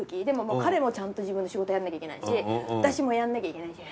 でも彼もちゃんと自分の仕事やんなきゃいけないし私もやんなきゃいけない。